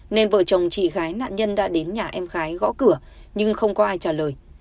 nên vợ chồng chị gái nạn nhân đã đến nhà em gái gõ cửa nhưng không có ai trả lời